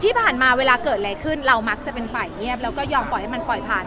ที่ผ่านมาเวลาเกิดอะไรขึ้นเรามักจะเป็นฝ่ายเงียบแล้วก็ยอมปล่อยให้มันปล่อยผ่าน